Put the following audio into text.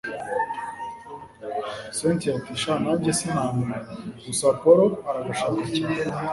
cyntia ati sha nanjye sinamenya, gusa appolo aragashaka cyane